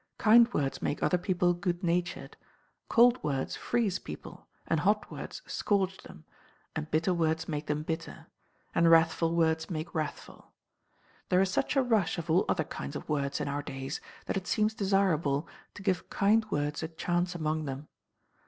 Kind words make other people good natured cold words freeze people, and hot words scorch them, and bitter words make them bitter, and wrathful words make wrathful. There is such a rush of all other kinds of words in our days, that it seems desirable to give kind words a chance among them.